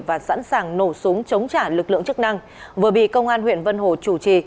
và sẵn sàng nổ súng chống trả lực lượng chức năng vừa bị công an huyện vân hồ chủ trì